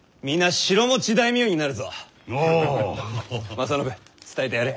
正信伝えてやれ。